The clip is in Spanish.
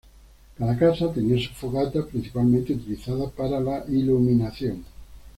Cada casa tenía su fogata, principalmente utilizada para la iluminación.